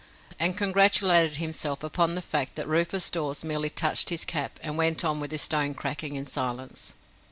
And congratulated himself upon the fact that Rufus Dawes merely touched his cap, and went on with his stone cracking in silence.